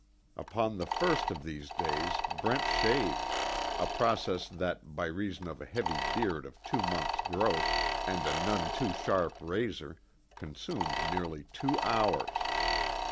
Upon the first of these days Brent shaved, a process that, by reason of a heavy beard of two months' growth, and a none too sharp razor, consumed nearly two hours.